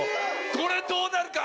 これどうなるか。